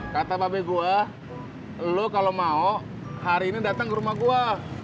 kata mbak be gua lo kalo mau hari ini datang ke rumah gua